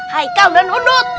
haikal dan odot